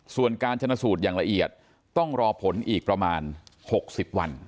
ส่วนการชนะสูตรอย่างละเอียดต้องรอผลอีกประมาณ๖๐วัน